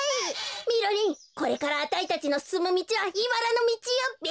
みろりんこれからあたいたちのすすむみちはいばらのみちよべ。